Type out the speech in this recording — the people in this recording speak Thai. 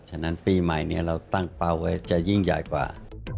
ฉะนั้นปีใหม่นี้เราตั้งเป้าไว้จะยิ่งใหญ่กว่า